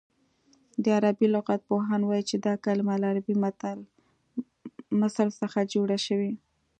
د عربي لغت پوهان وايي چې دا کلمه له عربي مثل څخه جوړه شوې